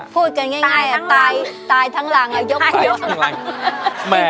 พูดกันง่ายตายทั้งหลังยกหลัง